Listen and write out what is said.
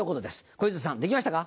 小遊三さん出来ましたか？